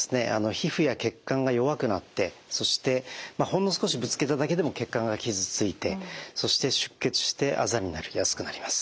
皮膚や血管が弱くなってそしてほんの少しぶつけただけでも血管が傷ついてそして出血してあざになりやすくなります。